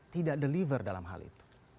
tidak deliver dalam hal itu